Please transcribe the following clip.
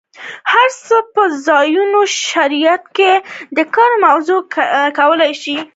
هر څه په ځینو شرایطو کې د کار موضوع کیدای شي.